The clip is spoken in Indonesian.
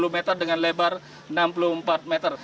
satu ratus dua puluh meter dengan lebar enam puluh empat meter